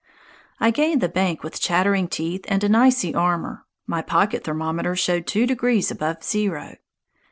I gained the bank with chattering teeth and an icy armor. My pocket thermometer showed two degrees above zero.